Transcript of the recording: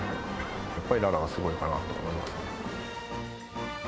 やっぱり、ララはすごいかなと思います。